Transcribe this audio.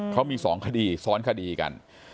เขามี๒คดีซ้อนคดีกัน